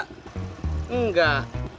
kalau gitu saya gak mau ngasih